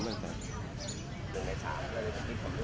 หลังจากการทำงานเก็บเป็นอีกอาทิตย์